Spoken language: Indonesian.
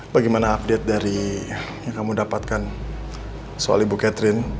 bagaimana update dari yang kamu dapatkan soal ibu catherine